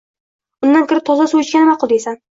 Undan ko’ra, toza suv ichgan ma’qul deysan.